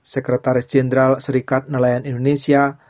sekretaris jenderal serikat nelayan indonesia